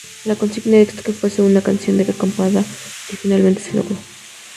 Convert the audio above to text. La consigna es que fuese una canción de acampada, que finalmente se logró.